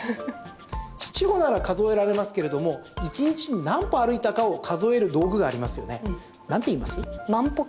７歩なら数えられますけれども１日に何歩歩いたかを数える道具がありますよね。